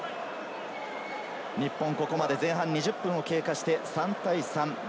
日本、ここまで前半２０分を経過して３対３。